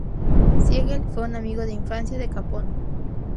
Siegel fue un amigo de infancia de Capone.